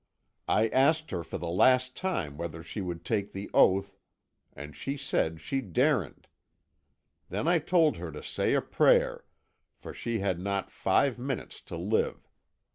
I asked her for the last time whether she would take the oath, and she said she daren't. Then I told her to say a prayer, for she had not five minutes to live.